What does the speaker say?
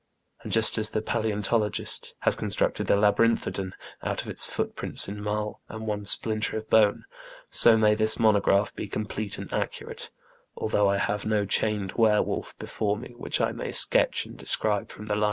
And just as the palaeontologist has constructed the labyrinthodon out of its foot prints in marl, and one splinter of bone, so may this monograph be complete and accurate, although I have no chained were wolf before me which I may sketch and describe from the life.